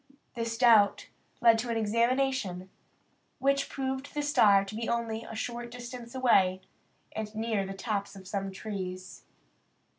This doubt led to an examination, which proved the star to be only a short distance away, and near the tops of some trees.